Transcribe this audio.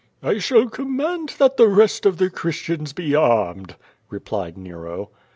"1 shall command that the rest of the Christians be armed," replied Nero.